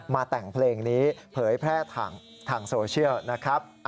แต่งเพลงนี้เผยแพร่ทางโซเชียลนะครับ